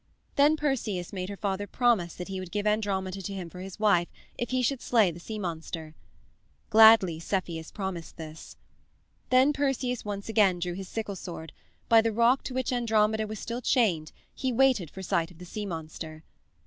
Then Perseus made her father promise that he would give Andromeda to him for his wife if he should slay the sea monster. Gladly Cepheus promised this. Then Perseus once again drew his sickle sword; by the rock to which Andromeda was still chained he waited for sight of the sea monster.